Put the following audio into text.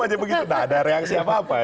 banyak yang senyum ada reaksi apa apa